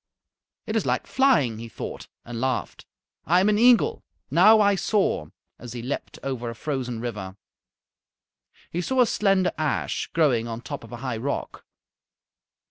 "It is like flying," he thought and laughed. "I am an eagle. Now I soar," as he leaped over a frozen river. He saw a slender ash growing on top of a high rock.